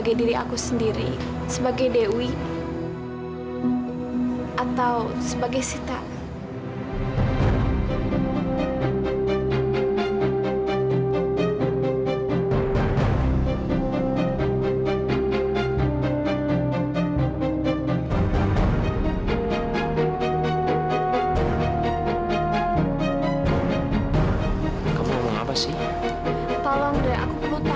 kalau seandainya aku gak mirip sama sita